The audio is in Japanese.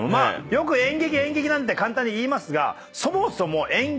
よく演劇演劇なんて簡単に言いますがそもそも「演劇」定義